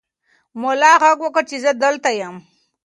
ملا غږ وکړ چې زه دلته یم.